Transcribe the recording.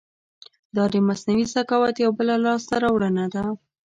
دا د مصنوعي ذکاوت یو بله لاسته راوړنه ده.